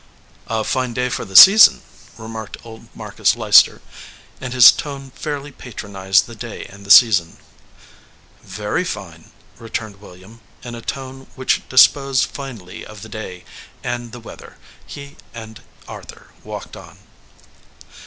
"A fine day for the season," remarked old Mar cus Leicester, and his tone fairly patronized the day and the season. "Very fine," returned William, in a tone which disposed finally of the day and the weather. He and Arthur walked on.